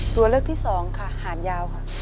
ตัวเลือกที่สองค่ะหานยาวค่ะ